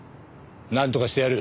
なんとかしてやる。